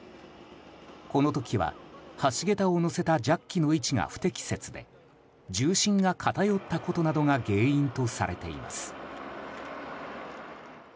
この時は橋桁を載せたジャッキの位置が不適切で重心が偏ったことなどが原因とされています。